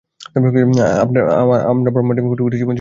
আমরা ব্রহ্মান্ডের কোটি কোটি জীবন সৃষ্টি না হওয়ার পেছনে দায়ী হতে পারি।